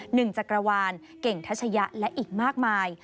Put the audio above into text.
หนึ่งจักรวาลเก่งทัชยะและอีกมากมาย